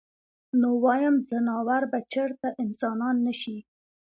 نو وايم ځناور به چرته انسانان نشي -